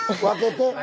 分けて。